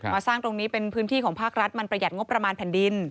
สร้างตรงนี้เป็นพื้นที่ของภาครัฐมันประหยัดงบประมาณแผ่นดิน